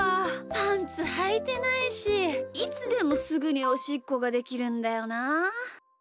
パンツはいてないしいつでもすぐにおしっこができるんだよなあ。